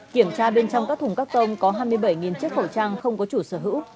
kiểm tra bên trong các thùng các tông có hai mươi bảy chiếc khẩu trang không có chủ sở hữu